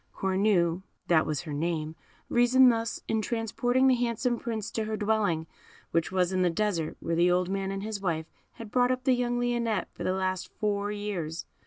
Cornue (that was her name) reasoned thus in transporting the handsome Prince to her dwelling, which was in the Desert where the old man and his wife had brought up the young Lionette for the last four years.